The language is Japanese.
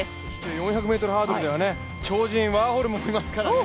４００ｍハードルでは超人ワーホルムもいますからね。